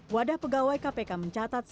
wadah pegawai kpk mencatat